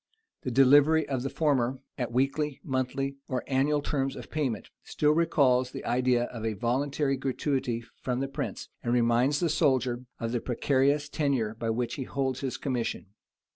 The delivery of the former, at the weekly, monthly, or annual terms of payment, still recalls the idea of a voluntary gratuity from the prince, and reminds the soldier of the precarious tenure by which he holds his commission.